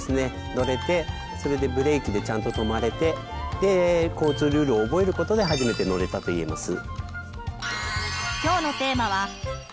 乗れてそれでブレーキでちゃんと止まれてで交通ルールを覚えることで初めて乗れたと言えます。